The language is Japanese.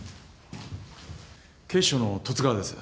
警視庁の十津川です。